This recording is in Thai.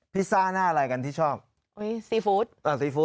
ซ่าหน้าอะไรกันที่ชอบอุ้ยซีฟู้ดอ่าซีฟู้